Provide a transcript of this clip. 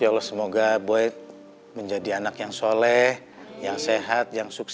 ya allah semoga boy menjadi anak yang soleh yang sehat yang sukses